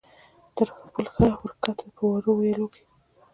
تر پل ښه ور کښته، په وړو ویالو کې.